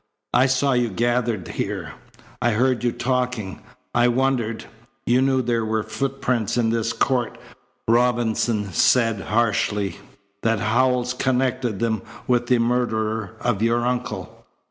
"I saw you gathered here. I heard you talking. I wondered." "You knew there were footprints in this court," Robinson said harshly, "that Howells connected them with the murderer of your uncle."